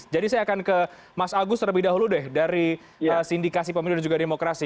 jadi saya akan ke mas agus terlebih dahulu deh dari sindikasi pemilih dan juga demokrasi